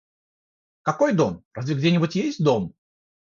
Какой дом, разве где-нибудь есть дом?